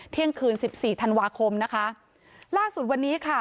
เที่ยงคืนสิบสี่ธันวาคมนะคะล่าสุดวันนี้ค่ะ